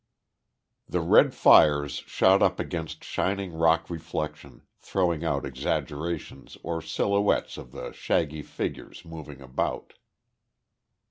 The red fires shot up against shining rock reflection, throwing out exaggerations or silhouettes of the shaggy figures moving about.